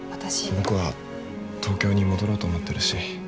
僕は東京に戻ろうと思ってるし。